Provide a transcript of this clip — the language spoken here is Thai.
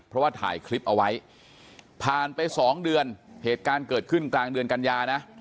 เพราะว่าถ่ายคลิปเอาไว้ผ่านไป๒เดือนเหตุการณ์เกิดขึ้นกลางเดือนกันยานะ